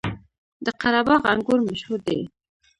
د قره باغ انګور مشهور دي